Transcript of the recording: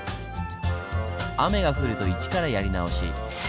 雨が降ると一からやり直し。